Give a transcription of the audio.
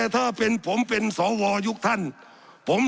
สับขาหลอกกันไปสับขาหลอกกันไป